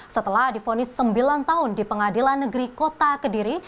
setelah difonis sembilan tahun di pengadilan negeri kota kediri